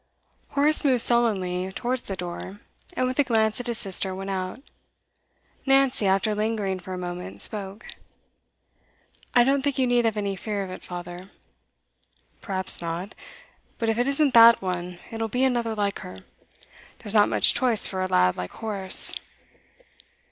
Horace moved sullenly towards the door, and with a glance at his sister went out. Nancy, after lingering for a moment, spoke. 'I don't think you need have any fear of it, father.' 'Perhaps not. But if it isn't that one, it'll be another like her. There's not much choice for a lad like Horace.